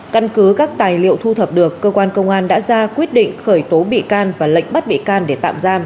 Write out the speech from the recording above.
căn cứ các tài liệu thu thập được cơ quan công an đã ra quyết định khởi tố bị can và lệnh bắt bị can để tạm giam